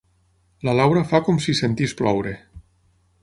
La Laura fa com si sentís ploure.